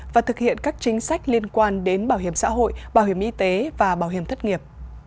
và thực hiện các chính sách liên quan đến bảo hiểm xã hội bảo hiểm y tế và bảo hiểm thất nghiệp